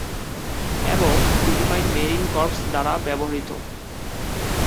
এবং Philippine marine corps দ্বারা ব্যবহৃত।